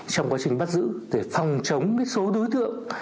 trong quá trình bắt giữ để phòng chống số đối tượng